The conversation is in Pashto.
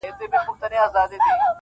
• چي یې ته اوربل کي کښېږدې بیا تازه سي..